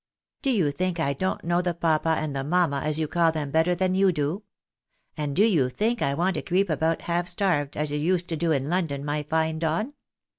Do you think I don't know the papa and the mamma, as you call them, better than you do ? And do you think I want to creep about half starved, as you used to do in London, my fine Don